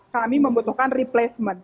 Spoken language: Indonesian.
kami membutuhkan replacement